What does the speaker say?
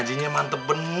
oriyang ini teramah ini ini